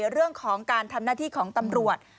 เรื่องของการทำหน้าที่ของตำรวจ